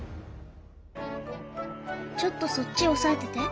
ちょっとそっち押さえてて。